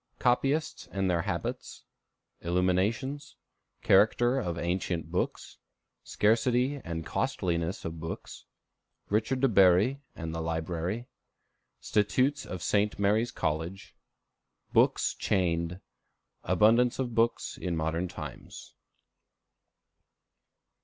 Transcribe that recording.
Copyists and their Habits. Illuminations. Character of Ancient Books. Scarcity and Costliness of Books. Richard de Bury and Library. Statutes of St. Mary's College. Books Chained. Abundance of Books in Modern Times.